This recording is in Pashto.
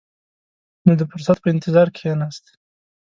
نو د فرصت په انتظار کښېناست.